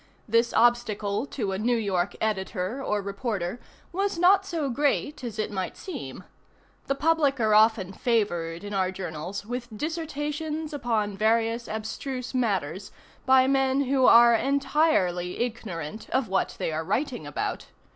This obstacle to a New York editor or reporter was not so great as it might seem. The public are often favored in our journals with dissertations upon various abstruse matters by men who are entirely ignorant of what they are writing about.